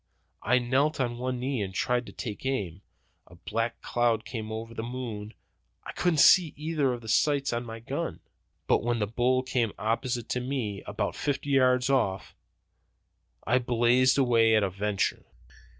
I knelt on one knee and tried to take aim. A black cloud came over the moon. I couldn't see either of the sights on the gun. But when the bull came opposite to me, about fifty yards off, I blazed away at a venture.